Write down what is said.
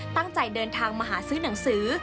ตั้งใจเดินทางมาหาซื้อหนังสือ